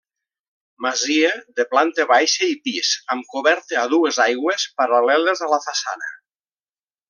Masia de planta baixa i pis amb coberta a dues aigües paral·leles a la façana.